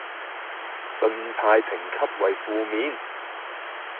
信貸評級為負面